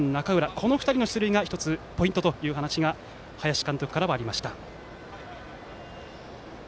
この２人の出塁が１つポイントという話が林監督からありました。